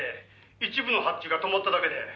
一部の発注が止まっただけで」